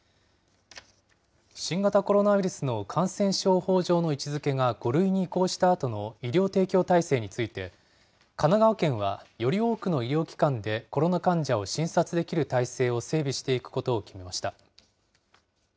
新型コロナウイルスの感染症法上の位置づけが５類に移行したあとの医療提供体制について、神奈川県は、より多くの医療機関でコロナ患者を診察できる体制を整備していくことを決めました。